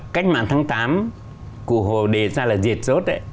cách mạng tháng tám cụ hồ đề ra là diệt rốt đấy